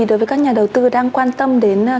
đối với các nhà đầu tư đang quan tâm đến